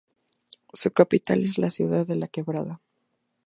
Su capital es la ciudad de La Quebrada.